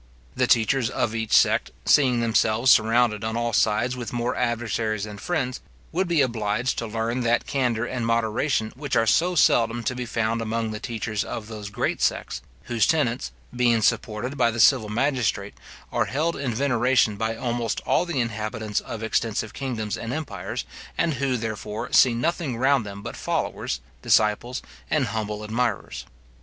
The teachers of each sect, seeing themselves surrounded on all sides with more adversaries than friends, would be obliged to learn that candour and moderation which are so seldom to be found among the teachers of those great sects, whose tenets, being supported by the civil magistrate, are held in veneration by almost all the inhabitants of extensive kingdoms and empires, and who, therefore, see nothing round them but followers, disciples, and humble admirers.